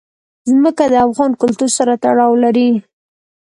ځمکه د افغان کلتور سره تړاو لري.